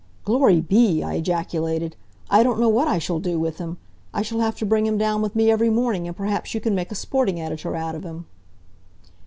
"Glory be!" I ejaculated. "I don't know what I shall do with him. I shall have to bring him down with me every morning, and perhaps you can make a sporting editor out of him."